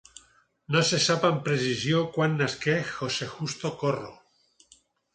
No se sap amb precisió quan nasqué José justo Corro.